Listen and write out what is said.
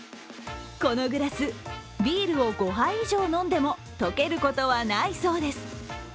このグラス、ビールを５杯以上飲んでも溶けることはないそうです。